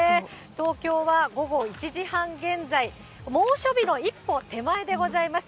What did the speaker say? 東京は午後１時半現在、猛暑日の一歩手前でございます。